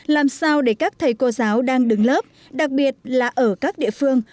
làm sao để các thầy cô giáo đang đứng lớp đặc biệt là ở các địa phương